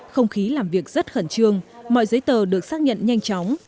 không khí làm việc rất khẩn trương mọi giấy tờ được xác nhận nhanh chóng